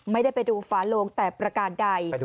ไม่ได้ไปดูฝาโลงแต่ประการใด